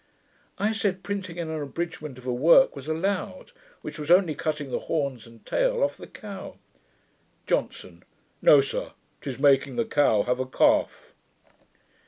I said, printing an abridgement of a work was allowed, which was only cutting the horns and tail off the cow. JOHNSON. 'No, sir; 'tis making the cow have a calf.'